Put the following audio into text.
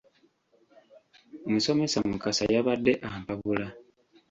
Musomesa Mukasa yabadde ampabula.